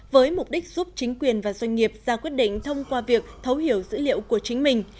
với mục đích giúp chính quyền và doanh nghiệp ra quyết định thông qua việc thấu hiểu dữ liệu của chính mình